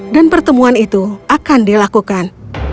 dan pertemuan itu akan dilakukan